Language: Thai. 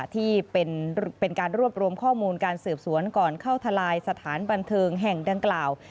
ที่เป็นการรวบรวมข้อมูลการสืบสวนก่อนเข้าทลายสถานบันเทิงแห่งดังกล่าว